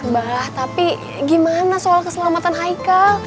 bah tapi gimana soal keselamatan haika